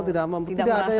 tidak merasakan hasilnya